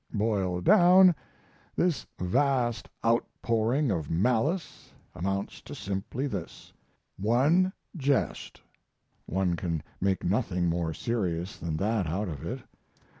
Boiled down, this vast outpouring of malice amounts to simply this: one jest (one can make nothing more serious than that out of it).